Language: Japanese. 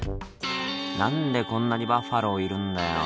「何でこんなにバッファローいるんだよ」